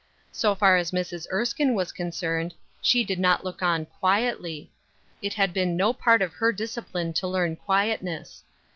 So far as Mrs. Erskine was con cerned, she did not look on quietly. It had been no part of her discipline to learn quietness.